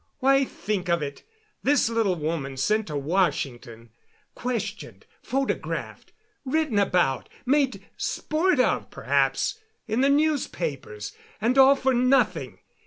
Why, think of it this little woman sent to Washington, questioned, photographed, written about, made sport of, perhaps, in the newspapers! And all for nothing.